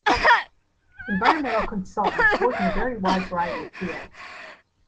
Environmental consultants work in a very wide variety of fields.